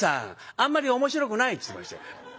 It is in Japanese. あんまり面白くない」って言ってましたよ。